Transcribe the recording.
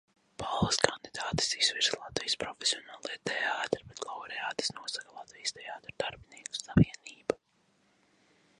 Balvas kandidātes izvirza Latvijas profesionālie teātri, bet laureātes nosaka Latvijas Teātru darbinieku savienība.